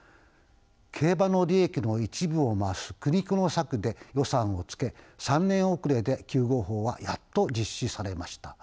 競馬の利益の一部を回す苦肉の策で予算をつけ３年遅れで救護法はやっと実施されました。